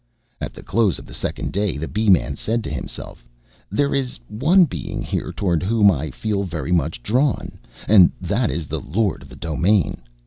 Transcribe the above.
At the close of the second day, the Bee man said to himself: "There is one being here toward whom I feel very much drawn, and that is the Lord of the Domain.